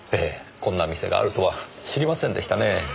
こんな店があるとは知りませんでしたね。